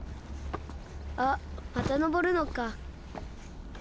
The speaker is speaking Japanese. あっまたのぼるのか。